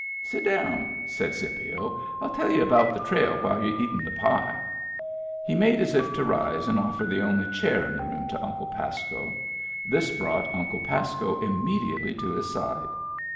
« Sit down," said Scipio. " FU tell y'u about the trail while you're eatin' the pie." He made as if to rise and ofiEer the only chair in the room to Uncle Pasco. This brought Uncle Pasco im mediately to his side.